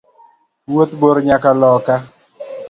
Wuoth bor nyaka loka.